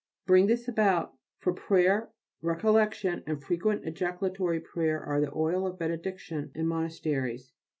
Bring this about: for prayer, recollection, and frequent ejaculatory prayer are the oil of benediction in monasteries.